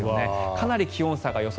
かなり気温差が予想